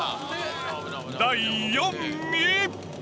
第４位。